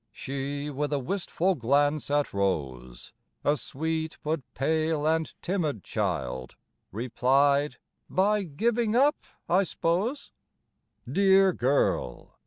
She, with a wistful glance at Rose A sweet, but pale and timid child Replied, "By giving up, I 'spose." Dear girl!